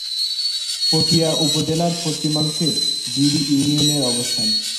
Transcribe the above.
পটিয়া উপজেলার পশ্চিমাংশে জিরি ইউনিয়নের অবস্থান।